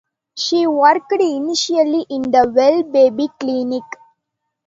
She worked initially in the Well Baby Clinic.